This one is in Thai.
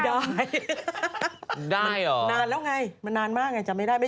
ได้หรอไม่ใช่นานแล้วไงมันนานมากจำไม่ได้